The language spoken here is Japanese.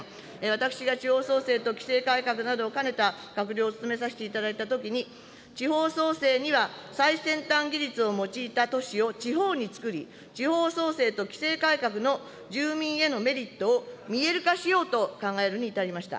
私が地方創生と規制改革などを兼ねた閣僚を務めさせていただいたときに、地方創生には最先端技術を用いた都市を地方につくり、地方創生と規制改革の住民へのメリットを、見える化しようと考えるに至りました。